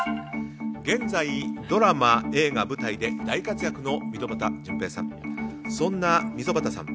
現在、ドラマ、映画、舞台で大活躍の溝端淳平さん。